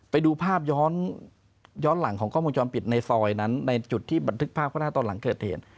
ไปดูภาพย้อนหลังของกล้องวงจรปิดในซอยนั้นในจุดที่บันทึกภาพเขาได้ตอนหลังเกิดเหตุ